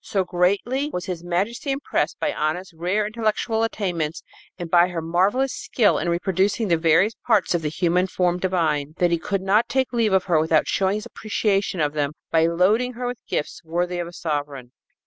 So greatly was His Majesty impressed by Anna's rare intellectual attainments and by her marvelous skill in reproducing the various parts of the "human form divine" that he could not take leave of her without showing his appreciation of them by loading her with gifts worthy of a sovereign.